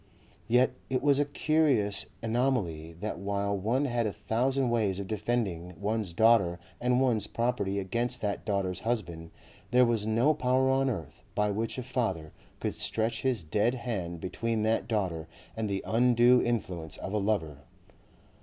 Yet it was a curious anomaly that while one had a thousand ways of defending one's daughter and one's property against that daughter's husband, there was no power on earth by which a father could stretch his dead hand between that daughter and the undue influence of a lover.